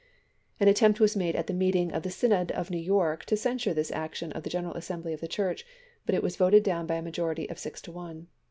An attempt was made at the meeting of the Synod of New York to censure this action of the General Assembly of the Church, but it was voted down by a majority of six to one.